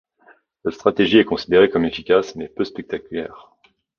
Cette stratégie est considérée comme efficace mais peu spectaculaire.